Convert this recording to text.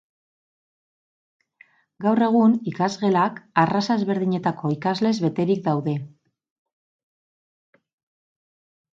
Gaur egun ikasgelak arraza ezberdinetako ikaslez beterik daude.